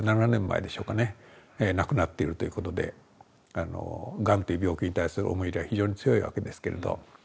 亡くなっているということでがんという病気に対する思い入れは非常に強いわけですけれど。